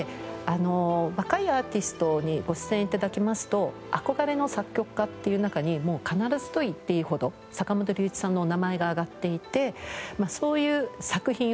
若いアーティストにご出演頂きますと憧れの作曲家っていう中にもう必ずといっていいほど坂本龍一さんのお名前が挙がっていてそういう作品をね